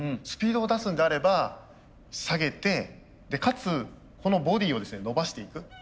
スピードを出すんであれば下げてかつこのボディーをですね伸ばしていく。